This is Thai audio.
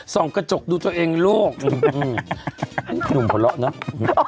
ส่องกระจกดูตัวเองลูกหนุ่มหัวเราะเนอะ